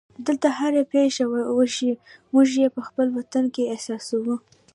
دلته هره پېښه وشي موږ یې په خپل وطن کې احساسوو.